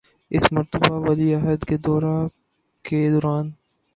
اس مرتبہ ولی عہد کے دورہ کے دوران